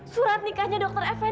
surat nikahnya dokter e